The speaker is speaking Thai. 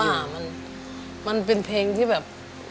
เพราะว่ามันเป็นเพลงที่แบบ